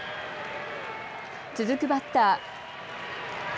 続くバッター。